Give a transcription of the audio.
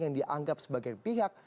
yang dianggap sebagai pihak